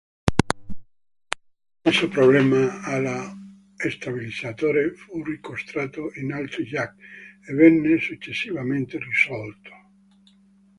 Lo stesso problema allo stabilizzatore fu riscontrato in altri Yak e venne successivamente risolto.